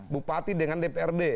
bupati dengan dprd